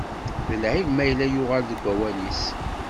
D lɛib ma yella yuɣal deg wawalis.